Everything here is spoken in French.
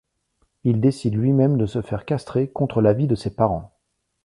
Il décide lui-même de se faire castrer contre l’avis de ses parents.